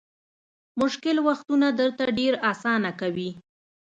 مشکل وختونه درته ډېر اسانه کوي.